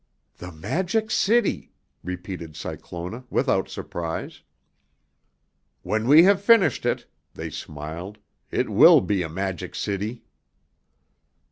"The Magic City," repeated Cyclona, without surprise. "When we have finished it," they smiled, "it will be a Magic City."